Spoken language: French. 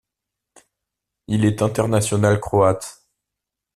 Il est International Croate.